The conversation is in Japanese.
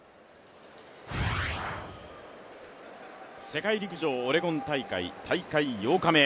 世界陸上オレゴン大会大会８日目。